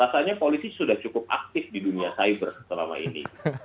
rasanya polisi sudah cukup aktif di dunia cyber selama ini